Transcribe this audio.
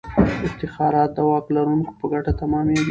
افتخارات د واک لرونکو په ګټه تمامیږي.